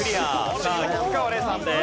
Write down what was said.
さあ菊川怜さんです。